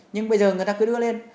nhưng bây giờ người ta cứ đưa lên